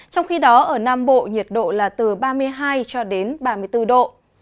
trong khi đó ở nam bộ nhiệt độ là từ ba mươi hai cho đến ba mươi bốn độ